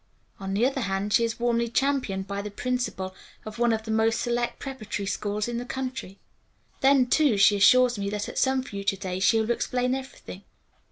On the other hand she is warmly championed by the principal of one of the most select preparatory schools in the country. Then, too, she assures me that at some future day she will explain everything.